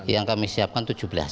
yang kami siapkan tujuh belas